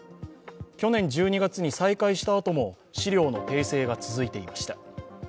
去年１２月に再開したあとも資料の訂正が続いていました。